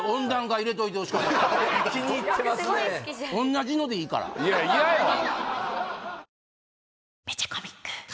そんなことはない気に入ってますね同じのでいいからいや嫌やわ